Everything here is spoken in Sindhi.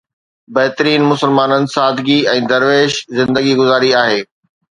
بهترين مسلمانن سادگي ۽ درويش زندگي گذاري آهي